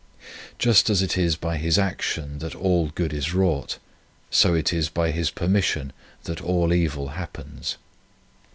Just as it is by His action that all good is wrought, so is it by His permission that all evil happens.